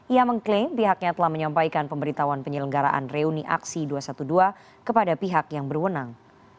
ia mengklaim pihaknya telah menyampaikan pemberitahuan penyelenggaraan reuni aksi dua ratus dua belas kepada pihak yang berwenang